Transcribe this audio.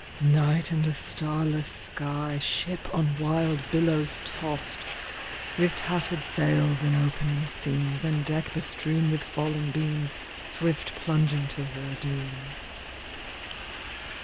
Night and a starless sky, Ship on wild billows tost, With tattered sails and opening seams. And deck bestrewn with falling beams. Swift plunging to her doom.